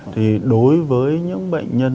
thì đối với những bệnh nhân